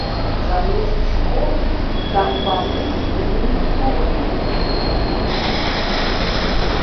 Замест школ там паны будуюць турмы.